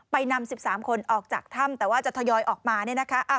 นำ๑๓คนออกจากถ้ำแต่ว่าจะทยอยออกมาเนี่ยนะคะ